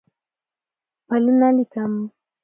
پلونه لیکم